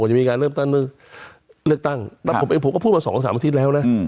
กว่าจะมีการเลือกตั้งแต่ผมเองก็พูดมา๒๓สัปทีแล้วนะ